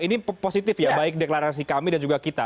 ini positif ya baik deklarasi kami dan juga kita